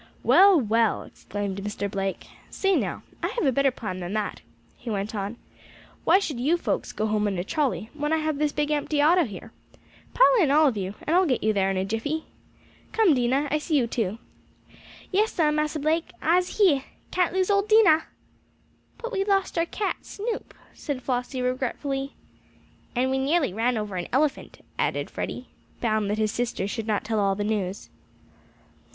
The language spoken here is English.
"Well, well!" exclaimed Mr. Blake. "Say, now, I have a better plan than that," he went on. "Why should you folks go home in a trolley, when I have this big empty auto here? Pile in, all of you, and I'll get you there in a jiffy. Come, Dinah, I see you, too." "Yes, sah, Massa Blake, I'se heah! Can't lose ole Dinah!" "But we lost our cat, Snoop!" said Flossie regretfully. "And we nearly ran over an elephant," added Freddie, bound that his sister should not tell all the news.